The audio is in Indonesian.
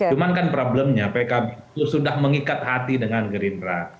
cuman kan problemnya pkb itu sudah mengikat hati dengan gerindra